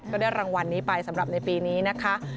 ก็ได้รางวัลนี้ไปสำหรับในปีนี้นะคะ